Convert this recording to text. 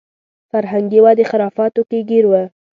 فرهنګي ودې خرافاتو کې ګیر و.